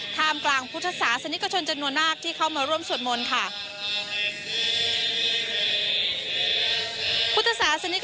ขามกลางวัฒนธรรมลวจดหน่วนนาทิ์เข้ามารวมสวดหมนค่ะ